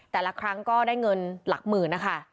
แต่ละครั้งก็ได้เงินหลักหมื่นนะคะ